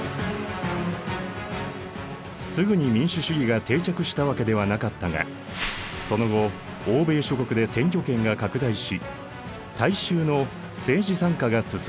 すぐに民主主義が定着したわけではなかったがその後欧米諸国で選挙権が拡大し大衆の政治参加が進んでいった。